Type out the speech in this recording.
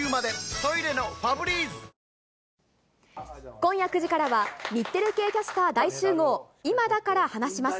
今夜９時からは、日テレ系キャスター大集合、今だから話します。